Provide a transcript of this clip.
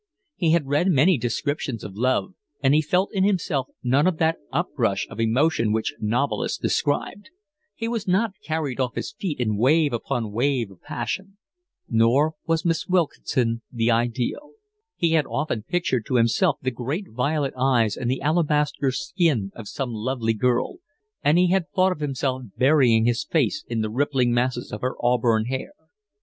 He had read many descriptions of love, and he felt in himself none of that uprush of emotion which novelists described; he was not carried off his feet in wave upon wave of passion; nor was Miss Wilkinson the ideal: he had often pictured to himself the great violet eyes and the alabaster skin of some lovely girl, and he had thought of himself burying his face in the rippling masses of her auburn hair.